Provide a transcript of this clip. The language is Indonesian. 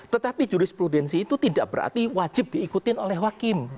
tetapi jurisprudensi itu tidak berarti wajib diikuti oleh hakim